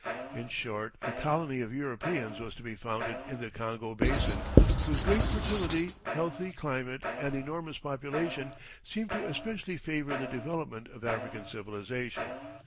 In short, a colony of Europeans was to be founded in the Congo Basin, whose great fertility, healthy climate, and enormous population seemed to especially favor the development of African civilization.